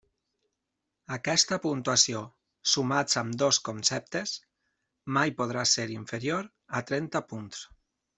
Aquesta puntuació, sumats ambdós conceptes, mai podrà ser inferior a trenta punts.